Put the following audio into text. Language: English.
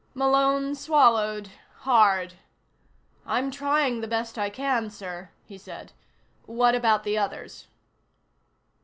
Malone swallowed hard. "I'm trying the best I can, sir," he said. "What about the others?"